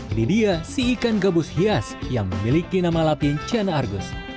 ini dia si ikan gabus hias yang memiliki nama latin ciana argus